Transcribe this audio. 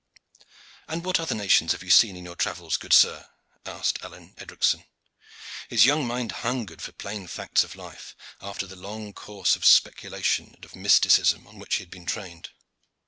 "And what other nations have you seen in your travels, good sir?" asked Alleyne Edricson. His young mind hungered for plain facts of life, after the long course of speculation and of mysticism on which he had been trained.